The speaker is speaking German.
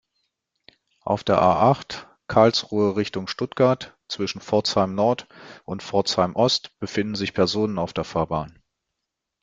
Auf der A-acht, Karlsruhe Richtung Stuttgart, zwischen Pforzheim-Nord und Pforzheim-Ost befinden sich Personen auf der Fahrbahn.